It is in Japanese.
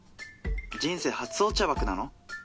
人生初お茶爆なの？